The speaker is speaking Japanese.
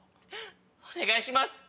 お願いします！